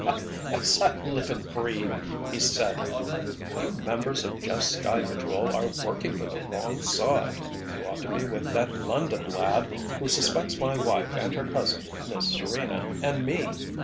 "As I live and breathe!" he said. "You members of Jeff's Sky Patrol are working for the wrong side. You ought to be with that London lad, who suspects my wife and her cousin, Miss Serena, and me!